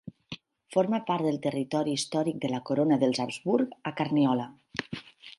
Forma part del territori històric de la corona dels Habsburg a Carniola.